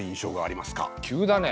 急だね。